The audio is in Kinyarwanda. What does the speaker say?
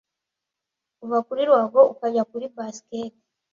Kuva kuri ruhago ukajya kuri baskete